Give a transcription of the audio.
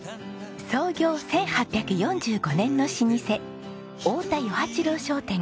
創業１８４５年の老舗太田與八郎商店。